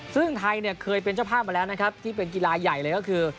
ซึ่งไทยเนี่ยเคยเป็นเจ้าภาพมาแล้วนะครับที่เป็นกีฬาใหญ่เลยก็คือ